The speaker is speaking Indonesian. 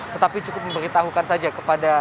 tetapi cukup memberitahukan saja kepada